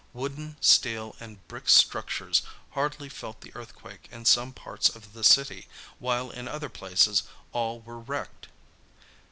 Wooden, steel and brick structures hardly felt the earthquake in some parts of the city, while in other places all were wrecked.